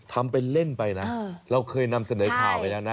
ทำเป็นเล่นไปนะเราเคยนำเสนอข่าวไปแล้วนะ